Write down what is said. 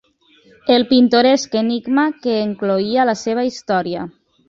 El pintoresc enigma que encloïa la seva història.